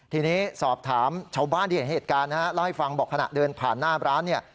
ทีนี้ศอบถามเจ้าบ้านที่เห็นเหตุการณ์ไล่ฟังเมื่อเดินผ่านหน้าบร้าน